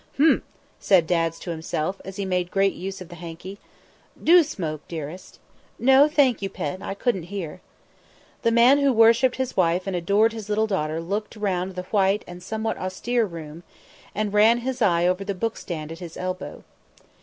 "Hum!" said Dads to himself, as he made great use of the hankie. "Do smoke, dearest!" "No, thank you, pet; I couldn't here." The man who worshipped his wife and adored his little daughter looked round the white and somewhat austere room, and ran his eye over the bookstand at his elbow.